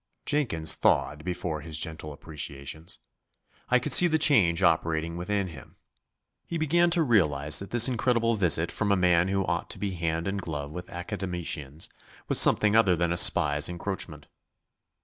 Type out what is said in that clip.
Jenkins thawed before his gentle appreciations. I could see the change operating within him. He began to realise that this incredible visit from a man who ought to be hand and glove with Academicians was something other than a spy's encroachment.